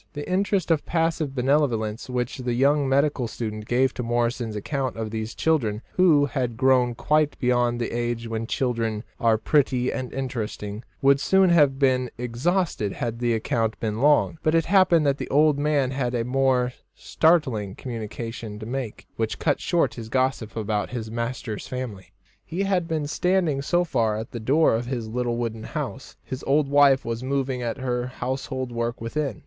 The interest of passive benevolence which the young medical student gave to Morrison's account of these children, who had grown quite beyond the age when children are pretty and interesting, would soon have been exhausted had the account been long; but it happened that the old man had a more startling communication to make, which cut short his gossip about his master's family. He had been standing so far at the door of his little wooden house. His old wife was moving at her household work within.